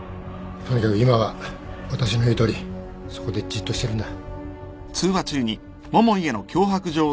とにかく今は私の言うとおりそこでじっとしてるんだ